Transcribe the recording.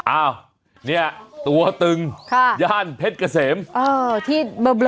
อ้าวเนี่ยตัวตึงค่ะญาติเพชรเกษมเออที่บ